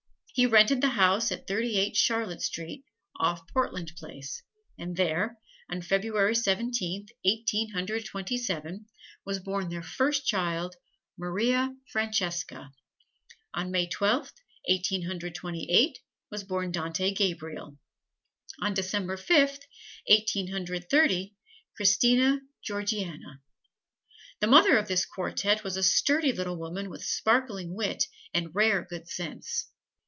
He rented the house at Thirty eight Charlotte Street, off Portland Place, and there, on February Seventeenth, Eighteen Hundred Twenty seven, was born their first child, Maria Francesca; on May Twelfth, Eighteen Hundred Twenty eight, was born Dante Gabriel; on September Twenty fifth, Eighteen Hundred Twenty nine, William Michael; on December Fifth, Eighteen Hundred Thirty, Christina Georgiana. The mother of this quartette was a sturdy little woman with sparkling wit and rare good sense.